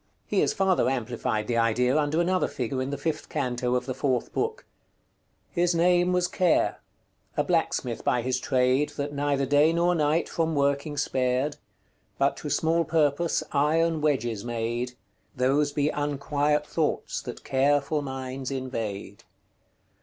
He has farther amplified the idea under another figure in the fifth canto of the fourth book: "His name was Care; a blacksmith by his trade, That neither day nor night from working spared; But to small purpose yron wedges made: Those be unquiet thoughts that carefull minds invade.